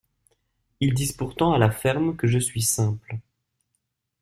Ils disent pourtant à la ferme que je suis simple.